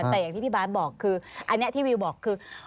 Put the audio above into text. แต่อย่างที่พี่บาทบอกคืออันนี้ที่วิวบอกคือ